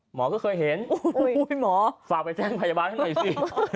หมอก็เคยเห็นอุ้ยหมอฝากไปแจ้งพยาบาทข้างในสิ